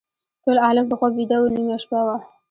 ټول عالم په خوب ویده و نیمه شپه وه.